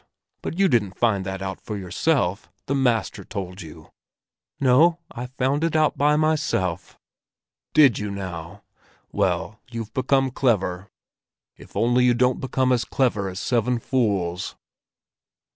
But you didn't find that out for yourself; the master told you." "No, I found it out by myself." "Did you, now? Well, you've become clever—if only you don't become as clever as seven fools."